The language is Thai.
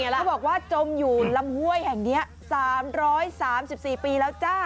เขาบอกว่าจมอยู่ลำห้วยแห่งนี้๓๓๔ปีแล้วจ้า